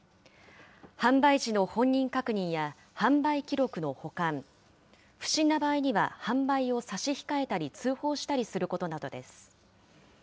販売時の本人確認や販売記録の保管、不審な場合には販売を差し控えたり通報したりすることなどです。